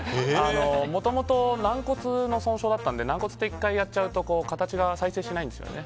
もともと軟骨の損傷だったので軟骨って、１回やっちゃうと形が再生しないんですよね。